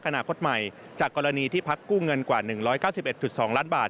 อนาคตใหม่จากกรณีที่พักกู้เงินกว่า๑๙๑๒ล้านบาท